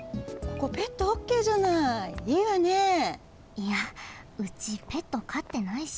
いやうちペットかってないし。